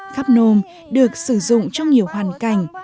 khắp nôm được sử dụng trong nhiều hoàn cảnh